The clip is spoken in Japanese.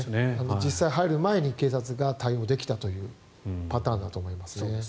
実際、入る前に警察が対応できたというパターンだと思います。